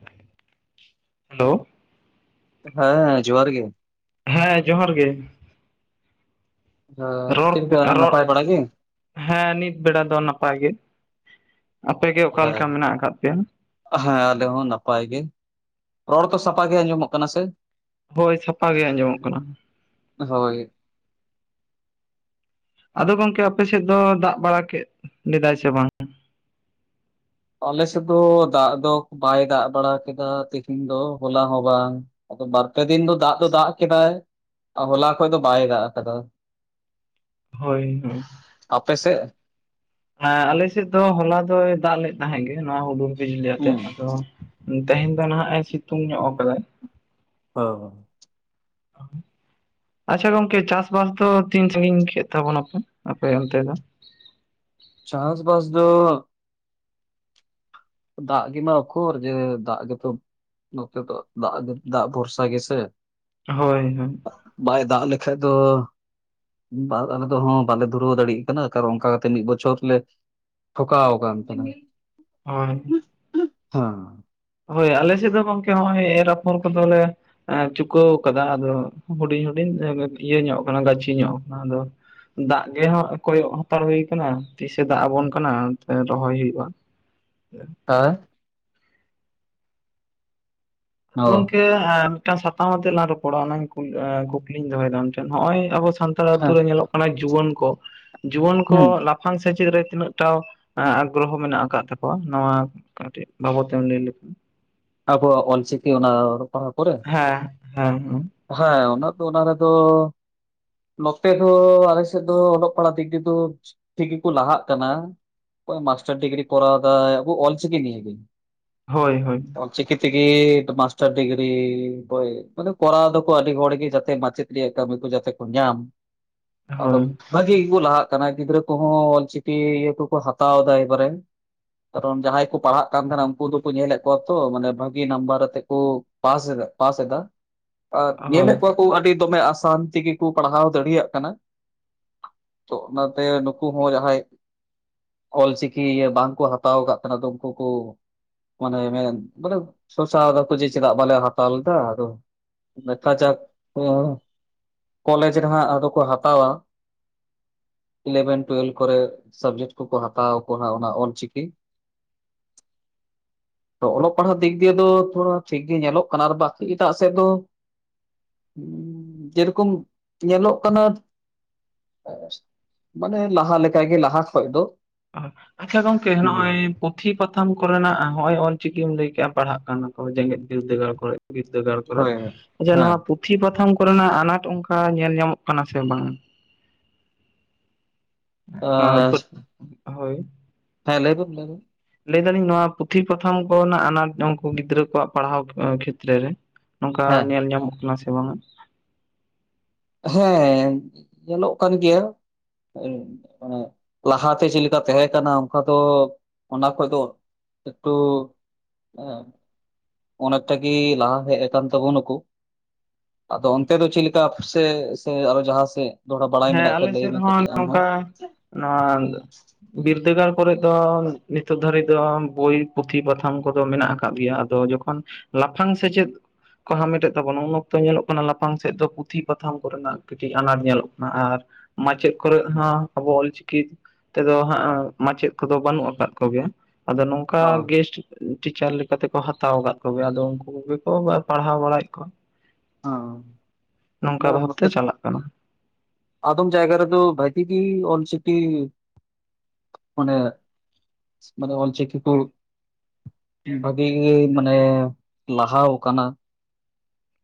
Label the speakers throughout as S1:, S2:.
S1: [inaudible] Hello
S2: ᱦᱮᱸ ᱡᱚᱦᱟᱨ ᱜᱮ
S1: ᱦᱮᱸ ᱡᱚᱦᱟᱨ ᱜᱮ
S2: ᱟ ᱪᱮᱫ
S1: ᱨᱚᱲ
S2: ᱞᱮᱠᱟ
S1: ᱨᱚᱲ
S2: ᱱᱟᱯᱟᱭ ᱵᱟᱲᱟ ᱜᱮ?
S1: ᱦᱮᱸ ᱱᱤᱛ ᱵᱮᱲᱟ ᱫᱚ ᱱᱟᱯᱟᱭ ᱜᱮ, ᱟᱯᱮ ᱜᱮ ᱚᱠᱟᱞᱮᱠᱟ
S2: ᱦᱮᱸ
S1: ᱢᱮᱱᱟᱜ ᱟᱠᱟᱫ ᱯᱮᱭᱟ?
S2: ᱦᱮᱸ ᱟᱞᱮ ᱦᱚᱸ ᱱᱟᱯᱟᱭ ᱜᱮ, ᱨᱚᱲ ᱫᱚ ᱥᱟᱯᱷᱟ ᱜᱮ ᱟᱸᱡᱚᱢᱚᱜ ᱠᱟᱱᱟ ᱥᱮ?
S1: ᱦᱳᱭ ᱥᱟᱯᱟᱜ ᱜᱮ ᱟᱸᱡᱚᱢᱚᱜ ᱠᱟᱱᱟ
S2: ᱦᱳᱭ
S1: ᱟᱫᱚ ᱜᱚᱢᱠᱮ ᱟᱯᱮ ᱥᱮᱫ ᱫᱚ ᱫᱟᱜ ᱵᱟᱲᱟ ᱠᱮᱫ ᱞᱮᱫᱟᱭ ᱥᱮ ᱵᱟᱝ
S2: ᱟᱞ ᱥᱮᱫ ᱫᱚ ᱫᱟᱜ ᱫᱚ ᱵᱟᱭ ᱫᱟᱜ ᱵᱟᱲᱟ ᱠᱮᱫᱟ ᱛᱤᱦᱤᱱ ᱫᱚ ᱦᱚᱞᱟ ᱦᱚᱸ ᱵᱟᱝ ᱟᱫᱚ ᱵᱟᱨ ᱯᱮ ᱫᱤᱱ ᱫᱚ ᱫᱟᱜ ᱫᱚ ᱫᱟᱜ ᱠᱮᱫᱟᱭ ᱦᱚᱞᱟ ᱠᱷᱚᱡ ᱫᱚ ᱵᱟᱭ ᱫᱟᱜ ᱟᱠᱟᱫᱟ
S1: ᱦᱳᱭ [unintelligible]
S2: ᱟᱯᱮ ᱥᱮᱜ?
S1: ᱦᱮᱸ ᱟᱞᱮ ᱥᱮᱫ ᱫᱚ ᱦᱚᱞᱟ ᱫᱚᱭ ᱫᱟᱜ ᱞᱮᱫ ᱛᱟᱦᱮᱸᱜᱮ ᱱᱚᱣᱟ ᱦᱩᱰᱩᱨ ᱵᱤᱡᱽᱞᱤ ᱟᱛᱮᱜ
S2: ᱦᱩᱸ
S1: ᱟᱫᱚ ᱛᱮᱦᱮᱧ ᱫᱚ ᱱᱟᱦᱟᱜ ᱮ ᱥᱤᱛᱩᱝ ᱧᱚᱜ ᱟᱠᱟᱫᱟ
S2: ᱦ
S1: [inaudible] ᱟᱪᱪᱷᱟ ᱜᱚᱢᱠᱮ ᱪᱟᱥ ᱵᱟᱥ ᱫᱚ ᱛᱤᱱ ᱥᱟᱜᱤᱧ ᱠᱮᱫ ᱛᱟᱵᱚᱱᱟᱯᱮ ᱟᱯᱮ ᱚᱱᱛᱮ ᱫᱚ?
S2: ᱪᱟᱥ ᱵᱟᱥ ᱫᱚ ᱫᱟᱜ ᱜᱮᱢᱟ ᱩᱠᱩᱨ ᱡᱮ ᱫᱟᱜ ᱜᱮᱛᱚ ᱱᱚᱛᱨ ᱫᱚ ᱫᱟᱜ ᱫᱟᱜ ᱵᱚᱨᱥᱟ ᱜᱮᱥᱮ
S1: ᱦᱳᱭ ᱦᱳᱭ
S2: ᱵᱟᱭ ᱫᱟᱣ ᱞᱮᱠᱷᱟᱡ ᱫᱚ ᱵᱟ ᱫᱟᱜ ᱞᱮ ᱫᱚ ᱦᱳ ᱵᱟᱞᱮ ᱫᱷᱩᱨᱟᱹᱣ ᱫᱟᱲᱮᱭᱟᱜ ᱠᱟᱱᱟ ᱠᱟᱨᱚᱱ ᱚᱱᱠᱟ ᱠᱟᱛᱮ ᱢᱤᱫ ᱵᱚᱪᱷᱚᱨ ᱞᱮ ᱴᱷᱩᱠᱟᱣ ᱠᱟᱱ ᱛᱟᱦᱮᱱᱟᱧ
S1: ᱦᱳᱭ᱾
S2: ᱦᱮᱸ᱾
S1: ᱦᱳᱭ ᱟᱞᱮ ᱥᱮᱫ ᱫᱚ ᱜᱚᱝᱠᱮ ᱱᱚᱜᱼᱚᱭ ᱮᱨ- ᱟᱯᱷᱳᱨ ᱠᱚᱫᱚᱞᱮᱼᱼ ᱪᱩᱠᱟᱹᱣ ᱟᱠᱟᱫᱟ ᱟᱫᱚ ᱦᱩᱰᱤᱧ ᱦᱩᱰᱤᱧ ᱤᱭᱟᱹ ᱧᱚᱜ ᱟᱠᱟᱱᱟ ᱜᱟᱹᱪᱷᱤ ᱧᱚᱜ ᱟᱠᱟᱱᱟ ᱟᱫᱚᱼᱼ ᱫᱟᱜ ᱜᱮᱦ ᱠᱚᱭᱚᱜ ᱦᱟᱛᱟᱲ ᱦᱩᱭᱩ ᱟᱠᱟᱱᱟ ᱛᱤᱥᱮ ᱫᱟᱜ ᱟᱵᱚᱱ ᱠᱟᱱᱟ ᱨᱚᱦᱚᱭ ᱦᱩᱭᱩᱜᱼᱟ᱾ ᱦᱮᱸ᱾
S2: ᱦᱮᱸ᱾ ᱚ
S1: ᱜᱚᱝᱠᱮ ᱟᱨᱼᱼ ᱢᱤᱫᱴᱟᱝ ᱥᱟᱛᱟᱝ ᱟᱛᱮ ᱞᱟᱝ ᱨᱚᱯᱚᱲᱟ ᱚᱱᱟ ᱠᱩᱠᱞᱤᱧ ᱫᱚᱦᱚᱭᱮᱫᱟ ᱟᱢᱴᱷᱮᱱ ᱱᱚᱜᱼᱚᱭ ᱟᱵᱚ ᱥᱛᱼᱼ ᱥᱟᱱᱛᱟᱲ ᱟ. ᱛᱩ
S2: ᱦᱮᱸ
S1: ᱨᱮ ᱧᱮᱞᱚᱜ ᱠᱟᱱᱟ ᱡᱩᱣᱟᱹᱱ ᱠᱚ, ᱡᱩᱣᱟᱹᱱ ᱠᱚ
S2: ᱦᱩᱸ
S1: ᱞᱟᱯᱷᱟᱝ ᱥᱮᱪᱮᱫ ᱨᱮ ᱛᱤᱱᱟᱹᱜ ᱴᱟᱼᱼ ᱟᱜᱨᱚᱦᱚ ᱢᱮᱱᱟᱜ ᱟᱠᱟᱫ ᱛᱟᱠᱚᱣᱟ ᱱᱚᱣᱟ ᱠᱟᱹᱴᱤᱡ ᱵᱟᱵᱚᱫ ᱛᱮᱢ ᱞᱟᱹᱭ ᱞᱮᱠᱷᱟᱱᱼᱼ
S2: ᱟᱵᱚᱣᱟᱜ ᱚᱞ ᱪᱤᱠᱤ ᱚᱱᱟ ᱯᱟᱲᱦᱟᱣ ᱯᱚᱨᱮ᱾
S1: ᱦᱮᱸ, ᱦᱮᱸ-ᱦᱮᱸ᱾
S2: ᱦᱮᱸ ᱚᱱᱟ ᱫᱚ ᱚᱱᱟ ᱨᱮᱫᱚᱼᱼ ᱱᱚᱛᱮ ᱦᱚᱸ ᱟᱞᱮᱥᱮᱫ ᱫᱚ ᱚᱞᱚᱜ ᱯᱟᱲᱦᱟᱜ ᱫᱤᱠ ᱫᱤᱭᱟᱹ ᱫᱚ ᱴᱷᱤᱠ ᱜᱮᱠᱚ ᱞᱟᱦᱟᱜ ᱠᱟᱱᱟ᱾ ᱚᱠᱚᱭ ᱢᱟᱥᱴᱟᱨ ᱰᱤᱜᱽᱨᱤ ᱠᱚᱨᱟᱣ ᱫᱟᱭ ᱟᱵᱚ ᱚᱞᱪᱤ ᱱᱤᱭᱟ ᱜᱤ᱾
S1: ᱦᱳᱭ -ᱦᱳᱭ᱾
S2: ᱚᱞ ᱪᱤᱠᱤ ᱛᱤᱜᱤ ᱫᱚ ᱢᱟᱥᱴᱟᱨ ᱰᱤᱜᱽᱨᱤ ᱠᱚᱭ ᱢᱟᱱᱮ ᱼᱼ ᱠᱚᱨᱟᱣ ᱮᱫᱟᱠᱚ ᱟᱹᱰᱤ ᱦᱚᱲᱜᱮ ᱡᱟᱛᱮ ᱢᱟᱪᱮᱫ ᱨᱮᱭᱟᱜ ᱠᱟᱹᱢᱤ ᱠᱚ ᱡᱟᱛᱮ ᱠᱚ ᱧᱟᱢ, ᱟᱫᱚᱼᱼ
S1: ᱦᱳᱭ
S2: ᱵᱷᱟᱹᱜᱤ ᱜᱮᱠᱚ ᱞᱟᱦᱟᱜ ᱠᱟᱱᱟ ᱜᱤᱫᱽᱨᱟᱹ ᱠᱚᱦᱚᱸ ᱚᱞ ᱪᱤᱠᱤ ᱤᱭᱟᱹ ᱠᱚᱠᱚ ᱦᱟᱛᱟᱣ ᱮᱫᱟ ᱮᱵᱟᱨᱮᱼᱼ ᱠᱟᱨᱚᱱ ᱡᱟᱦᱟᱸᱭ ᱠᱚ ᱯᱟᱲᱦᱟᱜ ᱠᱟᱱ ᱛᱟᱦᱮᱸᱱᱟ ᱩᱱᱠᱩ ᱫᱚᱠᱚ ᱧᱮᱞᱮᱫ ᱠᱚᱣᱟ ᱛᱚ ᱢᱟᱱᱮ ᱵᱷᱟᱹᱜᱤ ᱱᱟᱢᱵᱟᱨ ᱟᱛᱮᱫ ᱠᱚᱼᱼ ᱯᱟᱥ ᱮᱫᱟ ᱯᱟᱥ ᱮᱫᱟ᱾ ᱟᱨ
S1: ᱦᱳᱭ
S2: ᱧᱮᱞᱮᱫ ᱠᱚᱣᱟ ᱠᱚ ᱟᱹᱰᱤ ᱫᱚᱢᱮ ᱟᱥᱟᱱ ᱛᱤᱜᱤ ᱠᱚ ᱯᱟᱲᱦᱟᱣ ᱫᱟᱲᱤᱭᱟᱜ ᱠᱟᱱᱟ᱾ ᱛᱚ ᱚᱱᱟᱛᱮ ᱱᱩᱠᱩ ᱦᱚᱸ ᱡᱟᱦᱟᱸᱭᱼᱼ ᱚᱞ ᱪᱤᱠᱤ ᱤᱭᱟᱹ ᱵᱟᱝᱠᱚ ᱦᱟᱛᱟᱣᱟᱠᱟᱫ ᱛᱟᱦᱮᱸ ᱫᱚ ᱩᱱᱠᱩ ᱠᱩᱼᱼ ᱢᱟᱱᱮ ᱢᱮᱱ ᱢᱟᱱᱮ ᱥᱚᱪᱟᱣ ᱮᱫᱟᱠᱚ ᱡᱮ ᱪᱮᱫᱟᱜ ᱵᱟᱞᱮ ᱦᱟᱛᱟᱣᱞᱮᱫᱟ ᱞᱮᱫᱟ ᱟᱫᱚᱼᱼ ᱠᱟᱡᱟᱠ ᱠᱚ, ᱠᱚᱞᱮᱡᱽ ᱨᱮᱦᱟᱸ ᱟᱫᱚ ᱠᱚ ᱦᱟᱛᱟᱣᱟᱼᱼ ᱤᱞᱮᱣᱮᱱ ᱴᱩᱭᱮᱞᱵᱷ ᱠᱚᱨᱮ ᱥᱟᱵᱽᱡᱮᱠᱴ ᱠᱚᱠᱚ ᱦᱟᱛᱟᱣ ᱟᱠᱚ ᱦᱟᱸᱜ ᱚᱱᱟ ᱚᱞ ᱪᱤᱠᱤᱼᱼ
S1: [inaudible]
S2: ᱛᱚ ᱚᱞᱚᱜ ᱯᱟᱲᱦᱟᱜ ᱫᱤᱠ ᱫᱤᱭᱟ. ᱫᱚ ᱛᱷᱚᱲᱟ ᱴᱷᱤᱠ ᱜᱮ ᱧᱮᱞᱚᱜ ᱠᱟᱱᱟ ᱟᱨ ᱵᱟᱠᱤ ᱮᱴᱟᱜ ᱥᱮᱫ ᱫᱚᱼᱼ
S1: [inaudible]
S2: ᱪᱮᱫ ᱠᱚᱢ ᱧᱮᱞᱚᱜ ᱠᱟᱱᱟ? ᱢᱟᱱᱮ ᱞᱟᱦᱟ ᱞᱮᱠᱟᱜᱮ ᱞᱟᱦᱟ ᱠᱷᱚᱡ ᱫᱚ᱾
S1: ᱚ ᱟᱪᱷᱟ ᱜᱚᱝᱠᱮ
S2: ᱦᱮᱸ
S1: ᱱᱚᱜᱼᱚᱭᱼᱼ ᱯᱩᱸᱛᱷᱤ ᱯᱟᱛᱷᱟᱢ ᱠᱚᱨᱮᱱᱟᱜ ᱦᱚᱸᱜᱼᱚᱭ ᱚᱞ ᱪᱤᱠᱤᱢ ᱞᱟᱹᱭ ᱠᱮᱫᱼᱟ ᱯᱟᱲᱦᱟᱜ ᱠᱟᱱᱟ ᱠᱚ ᱡᱮᱸᱜᱮᱫ ᱵᱤᱨᱫᱟᱹᱜᱟᱲ ᱠᱚᱨᱮ ᱵᱤᱨᱫᱟᱹᱜᱟᱲ ᱠᱚᱼᱼ ᱠᱚᱨᱮ
S2: ᱦᱳᱭ
S1: ᱟᱪᱷᱟ
S2: ᱦᱮᱸ
S1: ᱱᱚᱣᱟ ᱯᱩᱛᱷᱤ ᱯᱟᱛᱷᱟᱢ ᱠᱚᱨᱮᱱᱟᱜ ᱟᱱᱟᱴ ᱚᱱᱠᱟ ᱧᱮᱞ ᱧᱟᱢᱚᱜ ᱠᱟᱱᱟ ᱥᱮ ᱵᱟᱝ? ᱱᱚᱣᱟ
S2: ᱟᱨ
S1: ᱦᱳᱭ᱾
S2: ᱦᱮᱸ ᱞᱟᱹᱭᱵᱤᱱ-ᱞᱟᱹᱭᱵᱤᱱ᱾
S1: ᱞᱟᱹᱭ ᱮᱫᱟᱞᱤᱧ ᱱᱚᱣᱟ ᱯᱩᱛᱷᱤ ᱯᱟᱛᱷᱟᱢ ᱠᱚᱨᱮᱱᱟᱜ ᱟᱱᱟᱴ ᱩᱱᱠᱩ ᱜᱤᱫᱽᱨᱟᱹ ᱠᱚᱣᱟᱜ ᱯᱟᱲᱦᱟᱣ ᱠᱷᱮᱛᱨᱮ ᱨᱮᱼᱼ ᱱᱚᱝᱠᱟ
S2: ᱦᱮᱸ
S1: ᱧᱮᱞ ᱧᱟᱢᱚᱜ ᱠᱟᱱᱟ ᱥᱮ ᱵᱟᱝᱼᱟ᱾
S2: ᱦᱮᱸ ᱧᱮᱞᱚᱜ ᱠᱟᱱ ᱜᱮᱭᱟ᱾ ᱦᱮᱸ ᱢᱟᱱᱮ ᱞᱟᱦᱟᱛᱮ ᱪᱮᱫᱞᱮᱠᱟ ᱛᱟᱦᱮᱸ ᱠᱟᱱᱟ ᱚᱱᱠᱟ ᱫᱚ ᱚᱱᱟ ᱠᱷᱚᱡ ᱫᱚᱼᱼ ᱮᱹᱠᱴᱩ ᱮᱸ᱾ ᱚᱱᱟᱛᱮᱜᱤ ᱞᱟᱦᱟ ᱥᱮᱡ ᱟᱠᱟᱱ ᱛᱟᱵᱩᱱᱟᱠᱩ᱾ ᱟᱫᱚ ᱚᱱᱛᱮ ᱫᱚ ᱪᱮᱫ ᱞᱮᱠᱟ ᱟᱯᱮ ᱥᱮ, ᱥᱮ ᱟᱨᱦᱚᱸ ᱡᱟᱦᱟᱸ ᱥᱮᱫᱼᱼ
S1: ᱦᱮᱸ ᱟᱞᱮ ᱥᱮᱫ ᱦᱚᱸ ᱱᱚᱝᱠᱟᱼᱼ ᱱᱚᱣᱟ ᱵᱤᱨᱫᱟᱹᱜᱟᱲ ᱠᱚᱨᱮᱫ ᱫᱚ ᱱᱤᱛᱚᱜ ᱫᱷᱟᱹᱨᱤᱡ ᱫᱚ ᱵᱳᱭᱼᱼ ᱯᱩᱛᱷᱤ ᱯᱟᱛᱷᱟᱢ ᱠᱚᱫᱚ ᱢᱮᱱᱟᱜ ᱟᱠᱟᱫ ᱜᱮᱭᱟ ᱟᱫᱚ ᱡᱚᱠᱷᱚᱱ ᱞᱟᱯᱷᱟᱝ ᱥᱮᱪᱮᱫᱼᱼ ᱠᱚ ᱦᱟᱢᱮᱴᱮᱫ ᱛᱟᱵᱚᱱᱟ ᱩᱱ ᱚᱠᱛᱚ ᱧᱮᱞᱚᱜ ᱠᱟᱱᱟ ᱞᱟᱯᱷᱟᱝ ᱥᱮᱫ ᱫᱚ ᱯᱩᱛᱷᱤ ᱯᱟᱛᱷᱟᱢ ᱠᱚᱨᱮᱱᱟᱜ ᱠᱟᱹᱴᱤᱡ ᱟᱱᱟᱴ ᱧᱮᱞᱚᱜᱼᱼ ᱠᱟᱱᱟ ᱟᱨ ᱢᱟᱪᱮᱫ ᱠᱚᱨᱮᱡ ᱦᱚᱸ ᱟᱵᱚ ᱚᱞ ᱪᱤᱠᱤᱼᱼ ᱛᱮᱫᱚ ᱦᱟᱸᱜ ᱢᱟᱪᱮᱫ ᱠᱚᱫᱚ ᱵᱟᱹᱱᱩᱜ ᱟᱠᱟᱫ ᱠᱚᱜᱮᱭᱟ ᱟᱫᱚ ᱱᱚᱝ ᱠᱟ
S2: ᱚ
S1: ᱜᱮᱥᱴ ᱴᱤᱪᱟᱨ ᱞᱮᱠᱟᱛᱮᱠᱚ ᱦᱟᱛᱟᱣ ᱟᱠᱟᱫ ᱠᱚᱜᱮᱭᱟ ᱟᱫᱚ ᱩᱱᱠᱩ ᱠᱚᱜᱮ ᱠᱚ ᱯᱟᱲᱦᱟᱣ ᱵᱟᱲᱟᱭᱮᱫ ᱠᱚᱣᱟ ᱾
S2: ᱦᱚᱸ
S1: ᱱᱚᱝᱠᱟ ᱵᱷᱟᱵᱛᱮ ᱪᱟᱞᱟᱜ ᱠᱟᱱᱟ ᱾
S2: ᱟᱫᱟᱢ ᱡᱟᱭᱜᱟ ᱨᱮᱫᱚ ᱵᱷᱟᱜᱤ ᱜᱤ ᱚᱞ ᱪᱤᱠᱤ ᱚᱱᱮ ᱢᱟᱱᱮ ᱚᱞ ᱪᱤᱠᱤ ᱠᱩ ᱵᱷᱟᱜᱤ ᱜᱤ ᱢᱟᱱᱮ ᱞᱟᱦᱟᱣ ᱠᱟᱱᱟ ᱾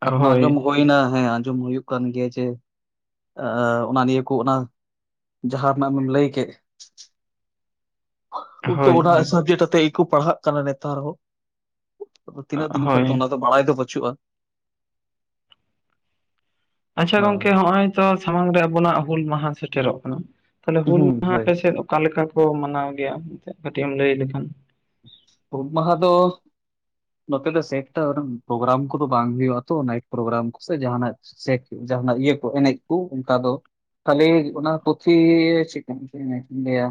S2: ᱠᱟᱨᱳᱚᱱ
S1: ᱦᱳᱭ
S2: ᱟᱸᱡᱚᱢ ᱦᱩᱳᱱᱟ ᱦᱮᱸ ᱟᱸᱡᱚᱢ ᱦᱩᱭᱩᱜ ᱠᱟᱱ ᱜᱮᱭᱟ ᱡᱮ ᱚᱱᱟ ᱱᱤᱭᱟᱹ ᱠᱚ ᱚᱱᱟ ᱡᱟᱦᱟᱸ ᱨᱮᱱᱟᱜ ᱟᱢᱮᱢ ᱞᱟᱹᱭ ᱠᱮᱫ ᱾ ᱛᱚ
S1: ᱦᱳᱭ
S2: ᱚᱱᱟ
S1: ᱦᱳᱭ
S2: ᱥᱟᱵᱡᱮᱠᱴ ᱟᱛᱮᱫ ᱜᱮᱠᱚ ᱯᱟᱲᱦᱟᱜ ᱠᱟᱱᱟ ᱱᱮᱛᱟᱨ ᱦᱚᱸ ᱛᱤᱱᱟᱹᱜ ᱫᱤᱱ ᱠᱷᱚᱡ
S1: ᱦᱳᱭ
S2: ᱛᱚ ᱚᱱᱟ ᱫᱚ ᱵᱟᱲᱟᱭ ᱫᱚ ᱯᱟᱹᱪᱩᱜᱼᱟ ᱾
S1: ᱟᱪᱷᱟ ᱜᱚᱝᱠᱮ
S2: ᱦᱮᱸ
S1: ᱦᱚᱜᱼᱚᱭ ᱛᱚ ᱥᱟᱢᱟᱝ ᱨᱮ ᱟᱵᱚᱱᱟᱜ ᱦᱩᱞ ᱢᱟᱦᱟ ᱥᱮᱴᱮᱨᱚᱜ ᱠᱟᱱᱟ ᱾ ᱛᱟᱦᱞᱮ ᱦᱩᱞ
S2: ᱦᱩᱸ
S1: ᱢᱟᱦᱟ
S2: ᱦᱳᱭ
S1: ᱟᱯᱮᱥᱮᱫ ᱚᱠᱟ ᱞᱮᱠᱟ ᱠᱚ ᱢᱟᱱᱟᱣ ᱜᱮᱭᱟ ᱢᱮᱱᱛᱮ ᱠᱟᱹᱴᱤᱡ ᱮᱢ ᱞᱟᱹᱭ ᱞᱮᱠᱷᱟᱱ ᱾
S2: ᱦᱩᱞ ᱢᱟᱦᱟ ᱫᱚ ᱾ ᱱᱚᱛᱮ ᱫᱚ ᱥᱮᱠᱴᱟᱨ ᱯᱨᱳᱜᱨᱟᱢ ᱠᱚᱫᱚ ᱵᱟᱝ ᱦᱩᱭᱩᱜᱼᱟ ᱛᱚ ᱱᱟᱭᱤᱴ ᱯᱨᱳᱜᱨᱟᱢ ᱥᱮ ᱡᱟᱦᱟᱸᱱᱟᱜ ᱾ ᱥᱮ ᱡᱟᱦᱟᱱᱟᱜ ᱤᱭᱟᱹ ᱠᱚ ᱮᱱᱮᱡ ᱠᱩ ᱚᱱᱠᱟ ᱫᱚ ᱠᱷᱟᱹᱞᱤ ᱚᱱᱟ ᱯᱩᱛᱷᱤ ᱪᱤᱠᱩᱢ [unintelligible] ᱞᱟᱹᱭᱟ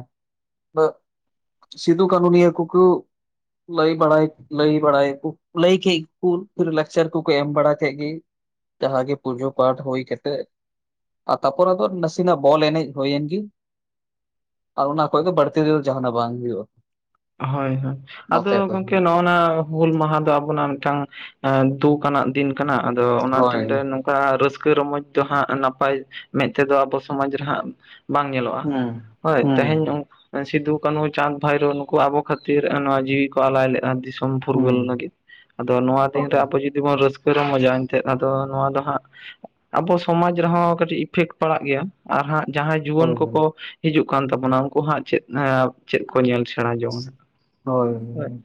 S2: ᱛᱚᱸ [unintelligible] ᱥᱤᱫᱩ ᱠᱟᱹᱱᱩ ᱱᱤᱭᱟᱹ ᱠᱩᱠᱩ ᱞᱟᱹᱭ ᱵᱟᱲᱟᱭ ᱞᱟᱹᱭ ᱵᱟᱲᱟᱭᱟᱠᱚ ᱞᱟᱹᱭ ᱠᱮᱫ ᱜᱮᱠᱩ ᱩᱱᱠᱩ ᱫᱚ ᱞᱟᱠᱪᱟᱨ ᱠᱚᱠᱚ ᱮᱢ ᱵᱟᱲᱟ ᱠᱮᱫ ᱜᱮ ᱡᱟᱦᱟᱸᱜᱮ ᱯᱩᱡᱳ ᱯᱟᱴ ᱦᱩᱭ, ᱠᱟᱛᱮ ᱟ ᱛᱟᱯᱚᱨ ᱟᱫᱚ ᱱᱟᱥᱤᱱᱟᱜ ᱵᱚᱞ ᱮᱱᱮᱡ ᱦᱩᱭᱮᱱ ᱜᱤ ᱟᱨ ᱚᱱᱟ ᱠᱚᱜᱮ ᱵᱟᱲᱛᱤ ᱫᱚ ᱡᱟᱦᱟᱱᱟᱜ ᱵᱟᱝ ᱦᱩᱭᱩᱜ-ᱟ ᱾
S1: ᱦᱳᱭ ᱦᱳᱭ ᱟᱫᱚ ᱜᱚᱝᱠᱮ ᱱᱚᱭ ᱾ ᱚᱱᱟ ᱦᱩᱞ ᱢᱟᱦᱟ ᱫᱚ ᱟᱵᱚᱱᱟᱜ ᱢᱤᱫᱴᱟᱝ ᱫᱩᱠ ᱟᱱᱟᱜ ᱫᱤᱱ ᱠᱟᱱᱟ ᱟᱫᱚ ᱚᱱᱟ
S2: ᱦᱳᱭ
S1: ᱫᱤᱱᱨᱮ ᱱᱚ ᱠᱟ ᱨᱟᱹᱥᱠᱟᱹ ᱨᱚᱢᱚᱡᱽ ᱫᱚ ᱦᱟᱸᱜ ᱱᱟᱯᱟᱭ ᱢᱮᱫ ᱛᱮᱫᱚ ᱟᱵᱚ ᱥᱚᱢᱟᱡᱽ ᱨᱮ ᱦᱟᱸᱜ ᱵᱟᱝ ᱧᱮᱞᱚᱜᱼᱟ
S2: ᱦᱩᱸ
S1: ᱦᱳᱭ
S2: ᱦᱩᱸ
S1: ᱛᱮᱦᱮᱧ ᱥᱤᱫᱩ ᱠᱟᱹᱱᱩ ᱪᱟᱸᱫᱽ ᱵᱷᱟᱭᱨᱳ ᱟᱵᱚ ᱠᱷᱟᱹᱛᱤᱨ ᱱᱚᱣᱟ ᱡᱤᱣᱤ ᱠᱚ ᱟᱞᱟᱭ ᱞᱮᱫᱼᱟ ᱫᱤᱥᱚᱢ
S2: ᱦᱩᱸ
S1: ᱯᱷᱩᱨᱜᱟᱹᱞ ᱞᱟᱹᱜᱤᱫ ᱟᱫᱚ ᱱᱚᱣᱟ ᱫᱤᱱ ᱨᱮ
S2: ᱦᱳᱭ
S1: ᱟᱵᱚ ᱡᱩᱫᱤ ᱡᱩᱫᱤ ᱵᱚᱱ ᱨᱟᱹᱥᱠᱟᱹ ᱨᱚᱢᱚᱡᱟ ᱮᱱᱛᱮᱜ ᱟᱫᱚ ᱱᱚᱣᱟ ᱫᱚ ᱦᱟᱸᱜ ᱾ ᱟᱵᱚ ᱥᱚᱢᱟᱡᱽ ᱨᱮᱦᱚᱸ ᱠᱟᱹᱴᱤᱡ ᱤᱯᱷᱮᱠᱴ ᱯᱟᱲᱟᱜ ᱜᱮᱭᱟ ᱾ ᱟᱸ ᱦᱟᱸᱜ ᱡᱟᱦᱟᱸᱭ ᱡᱩᱣᱟᱹᱱ
S2: ᱦᱳᱭ
S1: ᱠᱚᱠᱚ ᱦᱤᱡᱩᱜ ᱠᱟᱱ ᱛᱟᱵᱚᱱᱟ ᱩᱱᱠᱩ ᱦᱟᱸᱜ ᱪᱮᱜ ᱪᱮᱜ ᱠᱚ ᱧᱮᱞ ᱥᱮ ᱥᱮᱬᱟ ᱡᱚᱝ ᱟᱭ ᱦᱟᱸᱜ ᱾
S2: ᱦᱳᱭᱻᱻ ᱾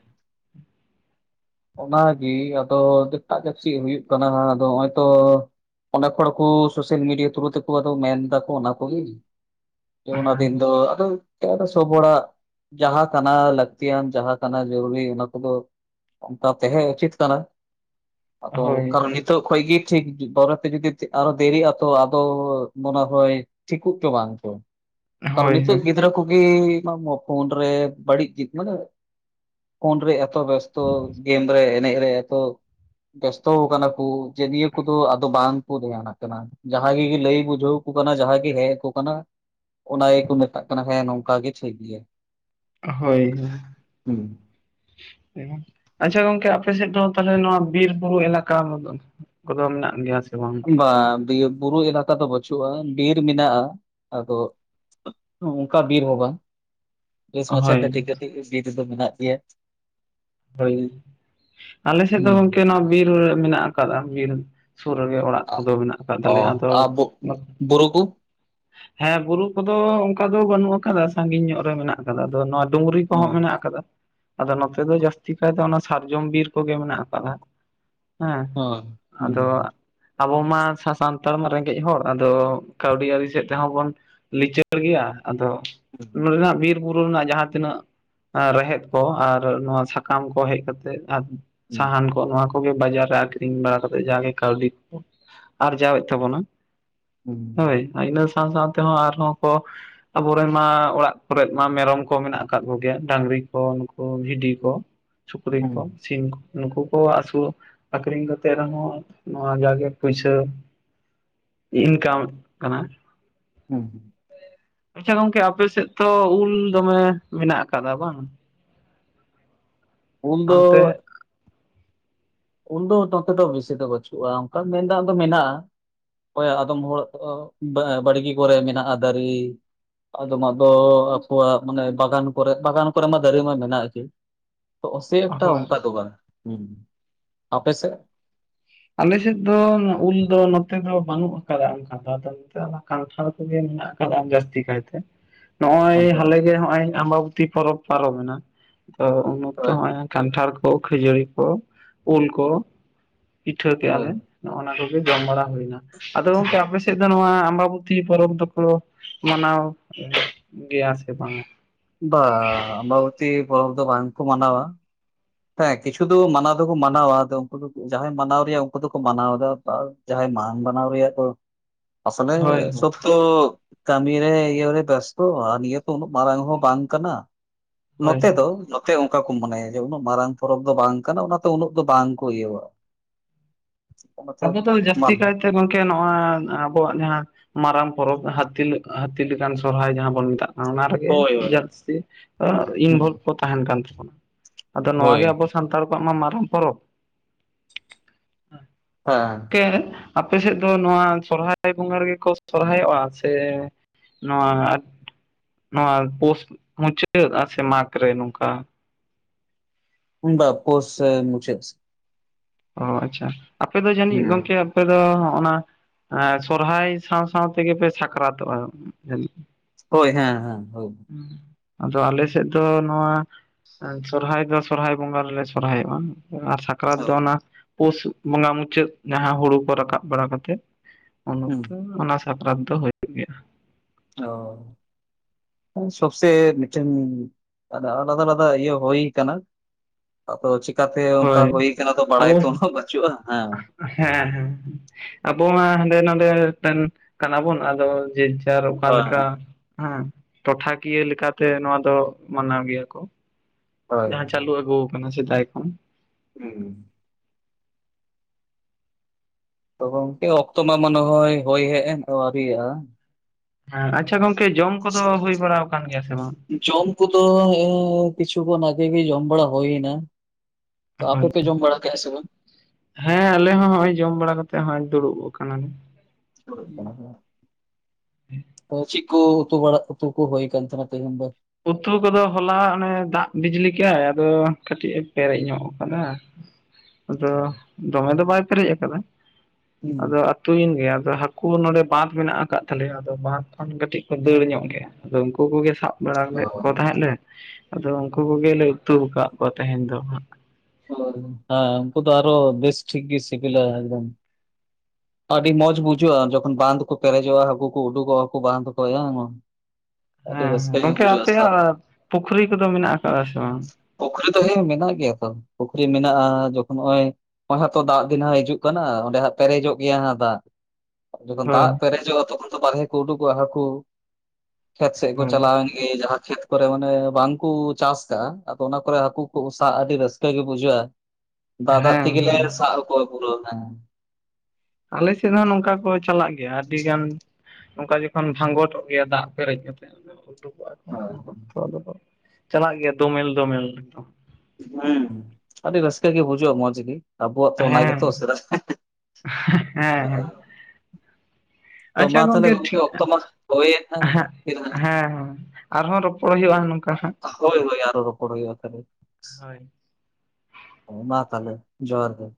S2: ᱚᱱᱟᱜᱤ ᱟᱫᱚ ᱮᱴᱟᱜ [inaudible] ᱡᱟᱹᱯᱥᱤ ᱦᱩᱭᱩᱜ ᱠᱟᱱᱟ ᱦᱟᱸᱜ ᱟᱫᱚ ᱱᱚᱜᱼᱚᱭ ᱛᱚ [unintelligible] ᱚᱱᱮᱠ ᱦᱚᱲ ᱠᱚ ᱥᱳᱥᱟᱞ ᱢᱤᱰᱤᱭᱟ ᱛᱷᱨᱩ ᱛᱮᱠᱩ ᱟᱫᱚ ᱢᱮᱱ ᱫᱟᱠᱚ ᱚᱱᱟ ᱠᱚᱜᱤ ᱾ ᱡᱮ
S1: ᱦᱮᱸ
S2: ᱚᱱᱟᱫᱤᱱ ᱫᱚ ᱟᱫᱚ ᱾ ᱮ ᱥᱚᱵᱚᱲᱟᱜ ᱡᱟᱦᱟᱸ ᱠᱟᱱᱟ ᱞᱟᱹᱠᱛᱤᱭᱟᱱ ᱡᱟᱦᱟᱸ ᱠᱟᱱᱟ ᱡᱚᱨᱩᱨᱤ ᱚᱱᱟ ᱠᱚᱫᱚ ᱾ ᱚᱱᱠᱟ ᱛᱮᱦᱮ ᱩᱪᱤᱛ ᱠᱟᱱᱟ ᱟᱫᱚ
S1: ᱦᱳᱭ
S2: ᱠᱟᱨᱚᱱ ᱱᱤᱛ ᱱᱤᱛᱚᱜ ᱠᱷᱚᱭᱜᱤ ᱴᱷᱤᱠ ᱵᱚᱨᱮ ᱛᱮ ᱡᱩᱫᱤ ᱟᱨᱚ ᱫᱮᱨᱤᱜ ᱟ ᱛᱚ ᱟᱫᱚ ᱢᱚᱱᱮ ᱦᱚᱭ ᱴᱷᱤᱠᱚᱜ ᱪᱚ ᱵᱟᱝ ᱪᱚ ᱠᱟᱨᱚᱱ
S1: ᱦᱳᱭ
S2: ᱱᱤᱛᱚᱜ
S1: ᱦᱳᱭ
S2: ᱜᱤᱫᱽᱨᱟᱹ ᱠᱩ ᱜᱤ ᱻᱯᱷᱳᱱ ᱨᱮ ᱵᱟᱹᱲᱤᱡ ᱡᱤᱫ ᱢᱟᱱᱮ ᱯᱷᱳᱱ ᱨᱮ ᱮᱛᱚ ᱵᱮᱥ ᱛᱚ ᱜᱮᱢ ᱨᱮ ᱮᱱᱮᱡ ᱨᱮ ᱮᱛᱚ ᱵᱮᱥᱛᱚᱣ ᱠᱟᱱᱟ ᱠᱩ ᱡᱮ ᱱᱤᱭᱟᱹ ᱠᱚᱫᱚ ᱟᱫᱚ ᱵᱟᱝ ᱠᱚ ᱫᱷᱮᱭᱟᱱᱟᱜ ᱠᱟᱱᱟ ᱾ ᱡᱟᱦᱟᱸ ᱜᱤ ᱜᱤ ᱞᱟᱹᱭ ᱵᱩᱡᱷᱟᱹᱣᱠᱚ ᱠᱟᱱᱟ ᱡᱟᱦᱟᱸ ᱜᱤ ᱦᱮᱜ ᱟᱠᱚ ᱠᱟᱱᱟ ᱾ ᱚᱱᱟ ᱜᱮᱠᱚ ᱢᱮᱛᱟᱜ ᱠᱟᱱᱟ ᱦᱮᱸ ᱱᱚᱝᱠᱟ ᱜᱤ ᱴᱷᱤᱠ ᱜᱮᱭᱟ ᱾
S1: ᱦᱳᱭ ᱦᱳᱭ᱾
S2: ᱦᱩᱸ
S1: ᱟᱪᱷᱟ ᱜᱚᱝᱠᱮ ᱟᱯᱮ ᱥᱮᱫ ᱫᱚ ᱛᱟᱦᱚᱞᱮ ᱱᱚᱣᱟ ᱵᱤᱨ ᱵᱩᱨᱩ ᱮᱞᱟᱠᱟ ᱠᱚᱫᱚ ᱢᱮᱱᱟᱜ ᱜᱮᱭᱟ ᱥᱮ ᱵᱟᱝ?
S2: ᱵᱟᱝ ᱵᱤᱨ ᱵᱩᱨᱩ ᱮᱞᱟᱠᱟ ᱫᱚ ᱵᱟᱹᱪᱩᱜᱼᱟ ᱵᱤᱨ ᱢᱮᱱᱟᱜᱼᱟ ᱟᱫᱚ ᱾ ᱩᱱᱠᱟ ᱵᱤᱨ ᱦᱚᱸ ᱵᱟᱝ ᱾ ᱵᱮᱥ ᱢᱟᱪᱷᱟ
S1: ᱦᱳᱭ
S2: ᱠᱟᱹᱴᱤᱡ ᱠᱟᱹᱴᱤᱡ ᱵᱤᱨ ᱨᱮᱫᱚ ᱢᱮᱱᱟᱜ ᱯᱮᱭᱟ ᱾
S1: ᱦᱚᱭ ᱟᱞᱮ ᱥᱮᱫ ᱫᱚ ᱜᱚᱢᱠᱮ ᱱᱚᱣᱟ ᱵᱤᱨ ᱢᱮᱱᱟᱜ ᱟᱠᱟᱜ-ᱟ ᱵᱤᱨ ᱥᱩᱨ ᱨᱮᱜᱮ ᱚᱲᱟᱜ ᱠᱚᱫᱚ ᱢᱮᱱᱟᱜ ᱟᱠᱟᱫ
S2: ᱚ
S1: ᱛᱟᱞᱮᱭᱟ ᱟᱫᱚ
S2: ᱟᱨ ᱵᱩ ᱵᱩᱨᱩ ᱠᱚ
S1: ᱦᱮᱸ ᱵᱩᱨᱩ ᱠᱚᱫᱚ ᱚᱱᱠᱟ ᱫᱚ ᱵᱟᱹᱱᱩᱜ ᱟᱠᱟᱫᱟ ᱥᱟᱺᱜᱤᱧ ᱧᱚᱜ ᱨᱮ ᱢᱮᱱᱟᱜ ᱟᱠᱟᱫᱟ ᱟᱫᱚ ᱱᱚᱣᱟ ᱰᱩᱝᱨᱤ ᱠᱚᱦᱚᱸ ᱢᱮᱱᱟᱜ ᱟᱠᱟᱫᱟ ᱟᱫᱚ ᱱᱚᱛᱮ ᱫᱚ ᱡᱟᱹᱥ ᱡᱟᱹᱥᱛᱤ ᱠᱚᱫᱚ ᱚᱱᱟ ᱥᱟᱨᱡᱚᱢ ᱵᱤᱨ ᱠᱚᱜᱮ ᱢᱮᱱᱟᱜ ᱟᱠᱟᱫᱟ ᱦᱮᱸ ᱟᱫᱚ ᱟᱵᱚ ᱢᱟ ᱥᱟᱸ-ᱥᱟᱱᱛᱟᱲ ᱢᱟ ᱨᱮᱸᱜᱮᱡ ᱦᱚᱲ ᱟᱫᱚ ᱠᱟᱹᱣᱰᱤ ᱟᱹᱨᱤ ᱥᱮᱫ ᱛᱮᱦᱚᱸ ᱵᱚᱱ ᱞᱤᱪᱟᱹᱲ ᱜᱮᱭᱟ ᱟᱫᱚ ᱱᱚᱰᱮᱱᱟᱜ ᱵᱤᱨ-ᱵᱩᱨᱩ ᱨᱮᱱᱟᱜ ᱡᱟᱦᱟᱸ ᱛᱤᱱᱟᱹᱜ ᱨᱮᱦᱮᱫ ᱠᱚ ᱟᱨ ᱱᱚᱣᱟ ᱥᱟ ᱥᱟᱠᱟᱢ ᱠᱚ ᱦᱮᱡ ᱠᱟᱛᱮ ᱥᱟᱦᱟᱱ ᱠᱚ ᱱᱚᱣᱟ ᱠᱚᱜᱮ ᱵᱟᱡᱟᱨ ᱨᱮ ᱟᱠᱷᱨᱤᱧ ᱵᱟᱲᱟ ᱠᱟᱛᱮ ᱡᱟᱦᱟᱸᱜᱮ ᱠᱟᱹᱣᱰᱤ ᱠᱚ ᱟᱨᱡᱟᱣᱮᱫ ᱛᱟᱵᱚᱱᱟ ᱦᱳᱭ ᱤᱱᱟᱹ ᱥᱟᱶ-ᱥᱟᱶ ᱛᱮᱦᱚᱸ ᱟᱨᱦᱚᱸ ᱠᱚ ᱟᱵᱚᱨᱮᱱ ᱢᱟ ᱚᱲᱟᱜ ᱠᱚᱨᱮ ᱢᱟ ᱢᱮᱨᱚᱢ ᱠᱚ ᱢᱮᱱᱟᱜ ᱟᱠᱟᱜ ᱠᱚᱜᱮᱭᱟ ᱰᱟᱝᱨᱤ ᱠᱚ ᱱᱩᱠᱩ ᱵᱷᱤᱰᱤ ᱠᱚ ᱥᱩᱠᱨᱤ ᱠᱚ ᱥᱤᱢ ᱠᱚ ᱱᱩᱠᱩ ᱠᱚ ᱟᱹᱥᱩᱞ ᱟᱠᱷᱨᱤᱧ ᱠᱚᱛᱮᱜ ᱨᱮᱦᱚᱸ ᱱᱚᱣᱟ ᱡᱟᱜᱮ ᱯᱩᱭᱥᱟᱹ ᱤᱱᱠᱟᱢ ᱠᱟᱱᱟ
S2: ᱦᱩᱸ-ᱦᱩᱸ
S1: ᱟᱪᱷᱟ ᱜᱚᱝᱠᱮ ᱟᱯᱮᱥᱮᱫ ᱛᱚ ᱩᱞ ᱫᱚᱢᱮ ᱢᱮᱱᱟᱜ ᱟᱠᱟᱫᱟ ᱵᱟᱝ
S2: ᱩᱞ ᱫᱚ
S1: ᱚᱱᱛᱮ
S2: ᱩᱞ ᱫᱚ ᱱᱚᱛᱮ ᱫᱚ ᱵᱮᱥᱤ ᱫᱚ ᱵᱟᱹᱪᱩᱜᱼᱟ ᱚᱱᱠᱟ ᱢᱮᱱᱫᱟ ᱫᱚ ᱢᱮᱱᱟᱜᱼᱟ᱾ ᱦᱳᱭ ᱟᱫᱚᱢ ᱦᱚᱲ ᱵᱟᱲᱜᱮ ᱠᱚᱨᱮ ᱢᱮᱱᱟᱜᱼᱟ ᱫᱟᱨᱮ ᱟᱫᱚᱢᱟᱜ ᱫᱚ ᱟᱠᱚᱣᱟᱜ ᱢᱟᱱᱮ ᱵᱟᱜᱟᱱ ᱠᱚᱨᱮ, ᱵᱟᱜᱟᱱ ᱠᱚᱨᱮ ᱢᱟ ᱫᱟᱨᱮ ᱢᱟ ᱢᱮᱱᱟᱜᱼᱟ ᱜᱮ ᱛᱚ ᱥᱮ ᱮᱠᱴᱟ
S1: ᱦᱳᱭ
S2: ᱚᱱᱠᱟ ᱫᱚ ᱵᱟᱝ ᱟᱯᱮ ᱥᱮᱫ
S1: ᱟᱞᱮ ᱥᱮᱫ ᱫᱚ ᱩᱞ ᱫᱚ ᱱᱚᱛᱮ ᱫᱚ ᱵᱟᱹᱱᱩᱜ ᱟᱠᱟᱫᱟ ᱚᱱᱠᱟ ᱫᱚ ᱠᱚᱱᱴᱷᱟᱲ ᱠᱚᱜᱮ ᱢᱮᱱᱟᱜ ᱠᱟᱫᱟ ᱡᱟᱥᱛᱤ ᱠᱷᱟᱭᱛᱮ ᱱᱚᱜᱼᱚᱭ
S2: ᱚᱱᱛᱮ
S1: ᱦᱟᱞᱮᱜᱮ ᱱᱚᱜᱼᱚᱭ ᱟᱢᱵᱟᱵᱚᱛᱤ ᱯᱚᱨᱚᱵᱽ ᱯᱟᱨᱚᱢᱮᱱᱟ ᱛᱚ ᱩᱱ ᱚᱠᱛᱚ
S2: ᱦᱳᱭ
S1: ᱦᱚᱸᱜᱼᱚᱭ ᱠᱟᱱᱴᱷᱟᱲ ᱠᱚ ᱠᱷᱟᱹᱡᱟᱹᱲᱤ ᱠᱚ ᱩᱞ ᱠᱚ ᱯᱤᱴᱷᱟᱹ ᱠᱮᱼᱟ
S2: ᱦᱳᱭ
S1: ᱞᱮ ᱱᱚᱜᱼᱱᱟ ᱠᱚᱜᱮ ᱡᱚᱢ ᱵᱟᱲᱟ ᱦᱩᱭᱱᱟ ᱟᱫᱚ ᱜᱚᱝᱠᱮ ᱟᱯᱮ ᱥᱮᱫ ᱱᱚᱣᱟ ᱟᱢᱵᱟᱵᱚᱛᱤ ᱯᱚᱨᱚᱵ ᱫᱚᱠᱚ ᱢᱟᱱᱟᱣ ᱜᱮᱭᱟ ᱥᱮ ᱵᱟᱝ
S2: ᱵᱟ ᱟᱢᱵᱵᱚᱛᱤ ᱯᱚᱨᱚᱵ ᱫᱚ ᱵᱟᱝ ᱠᱚ ᱢᱟᱱᱟᱣᱟ ᱦᱮᱸ ᱠᱤᱪᱷᱩ ᱫᱚ ᱢᱟᱱᱟᱣ ᱫᱚᱠᱚ ᱢᱟᱱᱟᱣᱟ ᱟᱫᱚ ᱩᱱᱠᱩ ᱫᱚ ᱡᱟᱦᱟᱸᱟᱭ ᱢᱟᱱᱟᱣ ᱨᱮᱭᱟᱜ ᱩᱱᱠᱩ ᱫᱚᱠᱚ ᱢᱟᱱᱟᱣᱫᱟ ᱡᱟᱦᱟᱸᱭ ᱵᱟᱝ ᱢᱟᱱᱟᱣ ᱨᱮᱭᱟᱜ ᱠᱚ
S1: ᱪᱮᱫ ᱦᱚᱸ ᱵᱟᱝ ᱟᱸᱡᱚᱢᱚᱜ ᱠᱟᱱᱟ
S2: ᱟᱥᱚᱞᱮ ᱥᱚᱵ ᱛᱚ ᱠᱟᱹᱢᱤ ᱨᱮ ᱤᱭᱟᱹ ᱨᱮ ᱵᱮᱥᱛᱚ ᱱᱤᱭᱟᱹᱛᱚ ᱩᱱᱟᱹᱜ ᱢᱟᱨᱟᱝ ᱦᱚᱸ ᱵᱟᱝ ᱠᱟᱱᱟ
S1: ᱦᱳᱭ
S2: ᱱᱚᱛᱮ ᱫᱚ ᱱᱚᱛᱮ ᱚᱱᱠᱟ ᱠᱚ ᱢᱚᱱᱮᱭᱟ ᱡᱮ ᱢᱟᱨᱟᱝ ᱯᱚᱨᱚᱵᱽ ᱫᱚ ᱵᱟᱝ ᱠᱟᱱᱟ ᱚᱱᱟᱛᱮ ᱩᱱᱟᱹᱜ ᱫᱚ ᱵᱟᱝ ᱠᱚ ᱤᱭᱟᱹᱣᱟ ᱢᱟᱱ
S1: ᱥᱮ ᱜᱚᱝᱠᱮ ᱱᱚᱣᱟᱜ ᱟᱵᱚᱣᱟᱜ ᱡᱟᱦᱟᱸ ᱢᱟᱨᱟᱝ ᱯᱚᱨᱚᱵᱽ ᱦᱟᱹᱛᱤ, ᱦᱟᱹᱛᱤ ᱞᱮᱠᱟᱱ ᱥᱚᱨᱦᱟᱭ ᱡᱟᱦᱟᱸ ᱵᱚᱱ ᱢᱮᱛᱟᱜ ᱠᱟᱱᱟ ᱚᱱᱟ ᱨᱮᱜᱮ
S2: ᱦᱳᱭ ᱦᱳᱭ
S1: ᱡᱟᱹᱥᱛᱤ
S2: ᱦᱩᱸ
S1: ᱤᱱᱵᱷᱚᱞᱵᱷ ᱠᱚ ᱛᱟᱦᱮᱱ ᱠᱟᱱ ᱛᱟᱵᱚᱱᱟ ᱟᱫᱚ ᱱᱚᱶᱟ
S2: ᱦᱳᱭ
S1: ᱜᱮ ᱟᱵᱚ ᱥᱟᱱᱛᱟᱲ ᱠᱚᱣᱟᱜ ᱢᱟ ᱢᱟᱨᱟᱝ ᱯᱚᱨᱚᱵᱽ
S2: ᱦᱮᱸ
S1: ᱜᱚᱝᱠᱮ ᱟᱯᱮ ᱥᱮᱫ ᱫᱚ ᱱᱚᱣᱟ ᱥᱚᱨᱦᱟᱭ ᱵᱚᱸᱜᱟ ᱨᱮᱜᱮ ᱠᱚ ᱥᱚᱨᱦᱟᱭᱚᱜᱼᱟ ᱥᱮ ᱱᱚᱣᱟ ᱱᱚᱣᱟ ᱯᱩᱥ ᱢᱩᱪᱟᱹᱫ ᱥᱮ ᱢᱟᱜ ᱨᱮ ᱱᱚᱝᱠᱟ
S2: ᱵᱟ ᱯᱩᱥ ᱢᱩᱪᱟᱹᱫ
S1: ᱚ ᱟᱪᱷᱟ ᱟᱯᱮ ᱫᱚ ᱡᱟᱹᱱᱤᱡ
S2: ᱦᱩᱸ
S1: ᱜᱚᱝᱠᱮ ᱟᱯᱮ ᱫᱚ ᱚᱱᱟ ᱥᱚᱨᱦᱟᱭ ᱥᱟᱶ-ᱥᱟᱶ ᱛᱮᱜᱮ ᱯᱮ ᱥᱟᱠᱨᱟᱛᱚᱜᱼᱟ᱾
S2: ᱦᱳᱭ ᱦᱮᱸᱻ ᱦᱮᱸᱻ ᱦᱳᱭ
S1: ᱟᱫᱚ ᱟᱞᱮ ᱥᱮᱫ ᱫᱚ ᱱᱚᱣᱟ ᱥᱚᱨᱦᱟᱭ ᱫᱚ ᱥᱚᱨᱦᱟᱭ ᱵᱚᱸᱜᱟ ᱨᱮᱞᱮ ᱥᱚᱨᱦᱟᱭᱚᱜᱼᱟ, ᱟᱨ ᱥᱟᱠ ᱥᱟᱠᱨᱟᱛ ᱫᱚ ᱚᱱᱟ ᱯᱳᱥ ᱵᱚᱺᱜᱟ ᱢᱩᱪᱟᱹᱫ ᱡᱟᱦᱟᱸ ᱦᱩᱲᱩ ᱠᱚ ᱨᱟᱠᱟᱵ ᱵᱟᱲᱟ ᱠᱟᱛᱮᱼᱼᱼ ᱩᱱ
S2: ᱦᱩᱸ
S1: ᱚᱠᱛᱚ ᱚᱱᱟ ᱥᱟᱠᱨᱟᱛ ᱫᱚ ᱦᱩᱭᱩᱜ ᱜᱮᱭᱟ ᱾
S2: ᱚ ᱥᱚᱵ ᱥᱮ ᱢᱤᱫᱴᱮᱱᱼᱼᱼ ᱟᱫᱚ ᱟᱞᱟᱫᱟ-ᱟᱞᱟᱫᱟ ᱤᱭᱟᱹ ᱦᱩᱭ ᱠᱟᱱᱟ᱾ ᱟᱫᱚ ᱪᱤᱠᱟᱹᱛᱮ ᱚᱱᱠᱟ
S1: ᱦᱳᱭ
S2: ᱦᱩᱭ ᱠᱟᱱᱟ ᱫᱚ ᱵᱟᱲᱟᱭ ᱛᱚ ᱩᱱᱟᱹᱜ ᱵᱟᱹᱪᱩᱜᱼᱟ᱾ ᱦᱮᱸᱻ
S1: ᱦᱮᱸᱻ ᱦᱮᱸ, ᱟᱵᱚ ᱢᱟ ᱦᱟᱸᱰᱮ ᱱᱚᱰᱮᱱ ᱠᱟᱱᱟᱵᱚᱱ ᱟᱫᱚ ᱡᱮᱼᱼᱼ ᱟᱨ ᱚᱠᱟ
S2: ᱦᱳᱭ
S1: ᱞᱮᱠᱟ ᱦᱟᱸᱜ ᱴᱚᱴᱷᱟ ᱠᱤᱭᱟᱹ ᱞᱮᱠᱟᱛᱮ ᱱᱚᱣᱟ ᱫᱚ ᱢᱟᱱᱟᱣ ᱜᱮᱭᱟ ᱠᱚᱼᱼᱼ
S2: ᱦᱳᱭ
S1: ᱡᱟᱦᱟᱸ ᱪᱟᱹᱞᱩ ᱟᱹᱜᱩ ᱠᱟᱱᱟ ᱥᱮᱫᱟᱭ ᱠᱷᱚᱱ ᱾
S2: ᱦᱩᱻᱸ ᱛᱚ ᱜᱚᱝᱠᱮ ᱚᱠᱛᱚ ᱢᱟ ᱢᱚᱱᱮ ᱦᱚᱭ ᱦᱳᱭ ᱦᱮᱡ ᱮᱱ ᱟᱹᱣᱨᱤ ᱟ ᱾
S1: ᱦᱮᱸ ᱟᱪᱪᱷᱟ ᱜᱚᱝᱠᱮ ᱡᱚᱢ ᱠᱚᱫᱚ ᱦᱩᱭ ᱵᱟᱲᱟ ᱠᱟᱱ ᱜᱮᱭᱟ ᱥᱮ ᱵᱟᱝ?
S2: ᱡᱚᱢ ᱠᱚᱫᱚ ᱚᱸᱻ ᱠᱤᱪᱷᱩ ᱠᱷᱚᱱ ᱟᱜᱮ ᱜᱮ ᱡᱚᱢ ᱵᱟᱲᱟ ᱦᱩᱭ ᱮᱱᱟ ᱾ ᱛᱚ ᱟᱯᱮ ᱯᱮ ᱡᱚᱢ ᱵᱟᱲᱟ ᱠᱮᱫᱟ ᱥᱮ ᱵᱟᱝ?
S1: ᱦᱮᱸᱻ ᱟᱞᱮ ᱦᱚᱸᱻ ᱱᱚᱜ- ᱚᱭ ᱡᱚᱢ ᱵᱟᱲᱟ ᱠᱟᱛᱮ ᱦᱚᱸᱻᱜᱚᱭ ᱫᱩᱲᱩᱵ ᱠᱟᱱᱟᱞᱮ᱾
S2: [unintelligible] ᱫᱩᱲᱩᱫ ᱠᱟᱱᱟᱞᱮ ᱾ ᱚ ᱪᱮᱜ ᱠᱚ ᱩᱛᱩ ᱵᱟᱲᱟ ᱩᱛᱩ ᱠᱚ ᱦᱳᱭ ᱠᱟᱱ ᱛᱟᱢᱟ ᱛᱮᱦᱮᱧ ᱫᱚ?
S1: ᱩᱛᱩ ᱠᱚᱫᱚ ᱦᱚᱞᱟ ᱚᱱᱮ ᱫᱟᱜ ᱵᱤᱡᱽᱞᱤ ᱠᱮᱜᱟᱭ ᱾ ᱟᱫᱚ ᱠᱟᱹᱴᱤᱡ ᱮ ᱯᱮᱨᱮᱡ ᱧᱚᱜ ᱠᱟᱫᱟ ᱾ ᱟᱫᱚ ᱫᱚᱢᱮ ᱫᱚ ᱵᱟᱭ ᱯᱮᱨᱮᱡ ᱠᱟᱫᱟ
S2: ᱦᱩᱸ
S1: ᱟᱫᱚᱼᱼᱼ ᱛᱩᱭᱮᱱ ᱜᱮᱭᱟ ᱟᱫᱚ ᱦᱟᱹᱠᱩ ᱱᱚᱰᱮ ᱵᱟᱺᱫᱷ ᱢᱮᱱᱟ-ᱜ ᱠᱟᱜ ᱛᱟᱞᱮᱭᱟ ᱾ ᱟᱫᱚ ᱵᱟᱺᱫᱷ ᱠᱷᱚᱱ ᱠᱟᱹᱴᱤᱡ ᱠᱚ ᱫᱟᱹᱲ ᱧᱚᱜ ᱜᱮᱭᱟ ᱾ ᱟᱫᱚ ᱩᱝᱠᱩ ᱠᱚᱜᱮ ᱥᱟᱵᱼᱼᱼ ᱵᱟᱲᱟ ᱞᱮᱫ ᱠᱚ ᱛᱟᱦᱮᱸᱫ ᱞᱮ ᱟᱫᱚ ᱩᱱᱠᱩ ᱠᱚᱜᱮ ᱞᱮ ᱩᱛᱩ ᱠᱟᱜ ᱠᱚ ᱛᱮᱦᱮᱧ ᱫᱚ ᱾
S2: ᱦᱟᱸ ᱩᱱᱠᱩ ᱫᱚ ᱟᱨᱚ ᱵᱮᱥ ᱴᱷᱤᱠ ᱜᱮ ᱥᱤᱵᱤᱞᱟ ᱮᱠᱫᱚᱢ ᱾ ᱟᱹᱰᱤ ᱢᱳᱸᱡᱷ ᱵᱩᱡᱷᱟᱹᱜ-ᱟ ᱾ ᱡᱚᱠᱷᱚᱱ ᱵᱟᱺᱫᱷ ᱠᱚ ᱯᱮᱨᱮᱡᱚᱜ-ᱟ᱾ ᱦᱟᱹᱠᱩ ᱠᱩ ᱩᱰᱩᱠᱚᱜ-ᱟ᱾ ᱠᱩ ᱵᱟᱸᱫᱷ [unintelligible] ᱟᱹᱰᱤ
S1: ᱦᱮᱸᱻ
S2: ᱨᱟᱹᱥᱠᱟᱹ
S1: ᱦᱮᱸᱻ
S2: ᱜᱮ
S1: ᱜᱚᱝᱠᱮ
S2: ᱵᱩᱡᱷᱟᱹᱜᱼᱟ ᱥᱟᱵ
S1: ᱟᱯᱮᱭᱟᱜ-ᱟ ᱯᱩᱠᱷᱨᱤ ᱠᱚᱫᱚ ᱢᱮᱱᱟᱜ ᱠᱟᱜ-ᱟ ᱥᱮ ᱵᱟᱝ?
S2: ᱯᱩᱠᱷᱨᱤ ᱫᱚ ᱦᱮᱸᱻ ᱢᱮᱱᱟᱜ ᱜᱮᱭᱟ ᱛᱚ ᱯᱩᱠᱷᱨᱤ ᱢᱮᱱᱟᱜ-ᱟ ᱾ ᱡᱚᱠᱷᱚᱱ ᱱᱚᱜ-ᱚᱭᱼᱼᱼ ᱚᱦᱚᱜ ᱛᱚ ᱫᱟᱜ ᱫᱤᱱ ᱦᱟᱜ ᱦᱤᱡᱩᱜ ᱠᱟᱱᱟ ᱚᱰᱮ ᱦᱟᱸᱜ ᱯᱮᱨᱮᱡᱚᱜᱼᱼᱼ ᱜᱮᱭᱟ ᱦᱟᱜ ᱫᱟᱜ ᱡᱚᱠᱷᱚᱱ
S1: ᱦᱳᱭ
S2: ᱫᱟᱜ ᱯᱮᱨᱮᱡᱚᱜ-ᱟ ᱾ ᱛᱚᱠᱷᱚᱱ ᱫᱚ ᱵᱟᱨᱦᱮ ᱠᱚ ᱩᱰᱩᱠᱚᱜ-ᱟ᱾ ᱦᱟᱹᱠᱩᱼᱼᱼ ᱠᱷᱮᱛ ᱥᱮᱜ ᱠᱚ
S1: ᱦᱳᱭ
S2: ᱪᱟᱞᱟᱣᱮᱱ ᱜᱮ, ᱡᱟᱦᱟᱸ ᱠᱷᱮᱛᱼᱼᱼ ᱠᱚᱨᱮ ᱚᱱᱮ ᱵᱟᱝ ᱠᱩ ᱪᱟᱥ ᱠᱟᱜ-ᱟ, ᱟᱫᱚ ᱚᱱᱟ ᱠᱚᱨᱮ ᱦᱟᱹᱠᱩ ᱠᱚ ᱥᱟᱵ ᱟᱹᱰᱤ ᱨᱟᱹᱥᱠᱟᱹ ᱜᱮ ᱵᱩᱡᱷᱟᱹᱜ-ᱟ ᱾ ᱫᱟᱜ-ᱫᱟᱜ
S1: ᱦᱮᱸ
S2: ᱛᱮᱜᱮᱞᱮ ᱥᱟᱵ ᱠᱚᱣᱟ ᱯᱩᱨᱟᱹ ᱱᱟ ᱾
S1: ᱟᱞᱮ ᱥᱮᱫ ᱦᱚᱸ ᱱᱚᱝᱠᱟ ᱠᱚ ᱪᱟᱞᱟᱜ ᱜᱮᱭᱟ᱾ ᱟᱹᱰᱤ ᱜᱟᱱ ᱚᱝᱠᱟ ᱡᱚᱠᱷᱚᱱ ᱵᱷᱟᱸᱜᱚᱴᱚ-ᱜ ᱜᱮᱭᱟ ᱫᱟᱜ ᱯᱮᱨᱮᱡ ᱠᱟᱛᱮ ᱩᱰᱩᱠᱚᱜ-ᱟ ᱠᱚ ᱩᱱ ᱚᱠᱛᱚ ᱟᱫᱚ ᱪᱟᱞᱟᱜ ᱜᱮᱭᱟ ᱫᱳᱢᱮᱞ-ᱫᱳᱢᱮᱞ
S2: ᱦᱩᱸ ᱟᱹᱰᱤ ᱨᱟᱹᱥᱠᱟᱹ ᱜᱮ ᱵᱩᱡᱷᱟᱹᱜ-ᱟ ᱾ ᱢᱚᱸᱡᱽ ᱜᱮ, ᱟᱵᱚᱣᱟᱜ ᱛᱚ ᱚᱱᱟ ᱜᱮᱛᱚ ᱥᱮᱫᱟᱭ ᱼᱼᱼ
S1: ᱦᱮᱸᱻᱦᱮᱸ
S2: ᱛᱚ
S1: ᱟᱪᱪᱷᱟ
S2: ᱢᱟ ᱛᱟᱦᱚᱞᱮ
S1: ᱜᱚᱝᱠᱮ ᱴᱷᱤᱠ-ᱟ
S2: ᱚᱠᱛᱚ ᱢᱟ ᱦᱳᱭᱮᱱ
S1: [unintelligible]
S2: ᱦᱟᱸᱜ
S1: ᱦᱮᱸᱜ ᱦᱮᱸᱻ ᱦᱮᱸ ᱟᱨᱦᱚᱸ ᱨᱚᱯᱚᱲ ᱦᱩᱭᱩᱜ-ᱟ, ᱱᱚᱝᱠᱟ ᱦᱟᱜ
S2: ᱦᱳᱭ ᱦᱳᱭ ᱟᱨᱚ ᱨᱚᱯᱚᱲ ᱦᱩᱭᱩᱜᱼᱟ ᱛᱟᱦᱚᱞᱮ
S1: ᱦᱳᱭᱼᱼᱼ
S2: ᱢᱟ ᱛᱟᱞᱦᱮ ᱡᱚᱦᱟᱨ ᱜᱮ ᱾